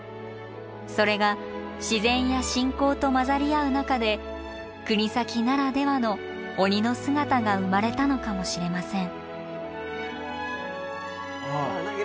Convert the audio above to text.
それが自然や信仰と混ざり合う中で国東ならではの鬼の姿が生まれたのかもしれません。